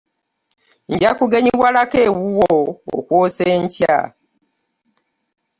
Nja kugenyiwalako ewuwo okwosa enkya.